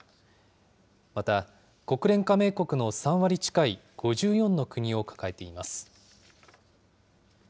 また、国連加盟国の３割近い５４の国を抱えています。